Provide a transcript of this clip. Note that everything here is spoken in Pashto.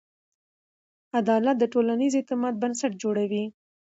عدالت د ټولنیز اعتماد بنسټ جوړوي.